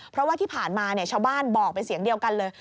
เพราะว่าที่ผ่านมาชาวบ้านบอกเป็นเสียงเดียวกันเลย